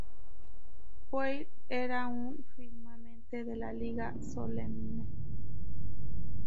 Weir era un firmante de la Liga Solemne.